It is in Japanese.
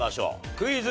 クイズ。